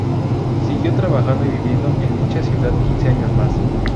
Siguió trabajando y viviendo en dicha ciudad quince años más.